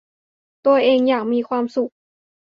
ตัวเองอยากมีความสุข